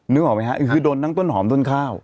นึกออกไหมฮะคือโดนทั้งต้นหอมต้นข้าว